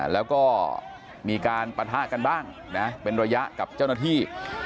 แล้วก็มีการปะทะกันบ้างนะเป็นระยะกับเจ้าหน้าที่